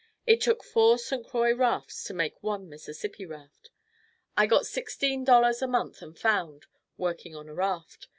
It took four St. Croix rafts to make one Mississippi raft. I got sixteen dollars a month and found, working on a raft.